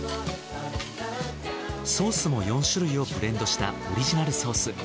ソースも４種類をブレンドしたオリジナルソース。